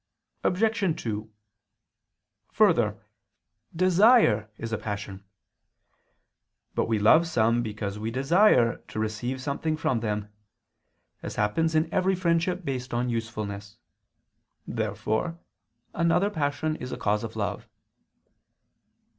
Obj. 2: Further, desire is a passion. But we love some because we desire to receive something from them: as happens in every friendship based on usefulness. Therefore another passion is a cause of love.